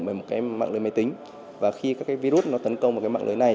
nó được điều khiển bởi một mạng lưới máy tính và khi các virus tấn công vào mạng lưới này